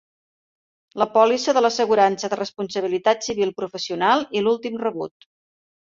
La pòlissa de l'assegurança de responsabilitat civil professional i l'últim rebut.